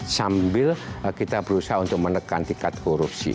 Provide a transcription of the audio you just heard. sambil kita berusaha untuk menekan tingkat korupsi